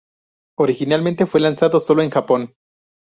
Originalmente fue lanzado solo en Japón.